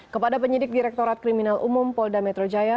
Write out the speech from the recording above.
kepada penyidik direktorat kriminal umum polda metro jaya